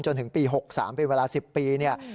จนถึงปีหกสามเป็นเวลาสิบปี